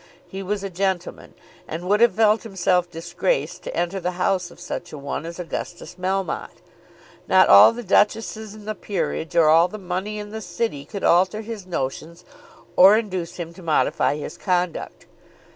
He was a gentleman; and would have felt himself disgraced to enter the house of such a one as Augustus Melmotte. Not all the duchesses in the peerage, or all the money in the city, could alter his notions or induce him to modify his conduct.